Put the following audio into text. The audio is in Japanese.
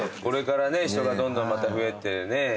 これから人がどんどんまた増えてね。